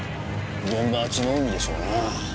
現場は血の海でしょうなぁ。